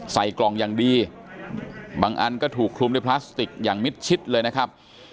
ใส่กล่องอย่างดีบางอันก็ถูกคลุมด้วยพลาสติกอย่างมิดชิดเลยนะครับ